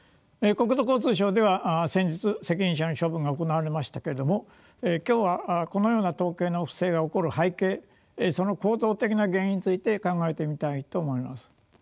国土交通省では先日責任者の処分が行われましたけれども今日はこのような統計の不正が起こる背景その構造的な原因について考えてみたいと思います。